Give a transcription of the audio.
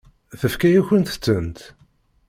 Tefka-yakent-tent?